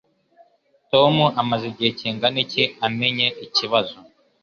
Tom amaze igihe kingana iki amenya ikibazo?